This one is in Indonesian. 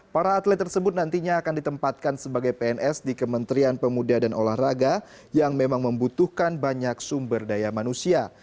para atlet tersebut nantinya akan ditempatkan sebagai pns di kementerian pemuda dan olahraga yang memang membutuhkan banyak sumber daya manusia